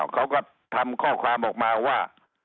เขาก็ทำข้อความออกมาว่า